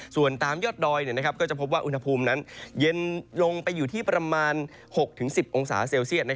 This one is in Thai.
ส่วนตามยอดดอยก็จะพบว่าอุณหภูมินั้นเย็นลงไปอยู่ที่ประมาณ๖๑๐องศาเซลเซียต